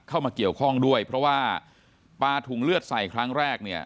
เข้ามาเกี่ยวข้องด้วยเพราะว่าปลาถุงเลือดใส่ครั้งแรกเนี่ย